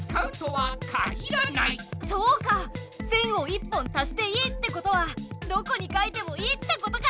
線を１本足していいってことはどこに書いてもいいってことか！